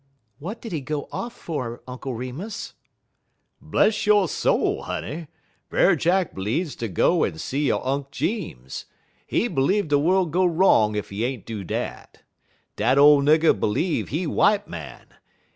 "What did he go off for, Uncle Remus?" "Bless yo' soul, honey! Brer Jack bleedz ter go en see yo' Unk Jeems. He b'leeve de worl' go wrong ef he ain't do dat. Dat ole nigger b'leeve he white mon.